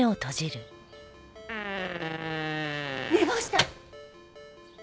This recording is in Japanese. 寝坊した！